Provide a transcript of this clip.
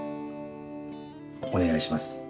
お願いします